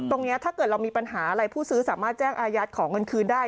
ถ้าเกิดเรามีปัญหาอะไรผู้ซื้อสามารถแจ้งอายัดขอเงินคืนได้